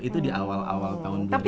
itu di awal awal tahun dulu